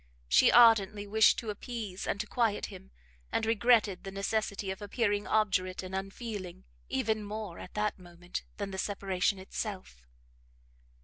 She ardently wished to appease and to quiet him, and regretted the necessity of appearing obdurate and unfeeling, even more, at that moment, than the separation itself.